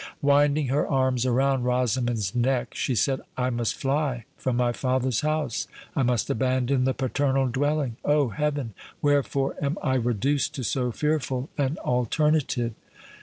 Winding her arms around Rosamond's neck, she said, "I must fly from my father's house—I must abandon the paternal dwelling. O heaven! wherefore am I reduced to so fearful an alternative?"